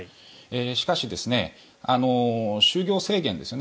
しかし、就業制限ですよね。